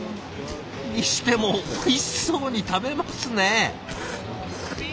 にしてもおいしそうに食べますね。